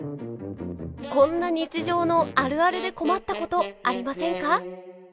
こんな日常のあるあるで困ったことありませんか？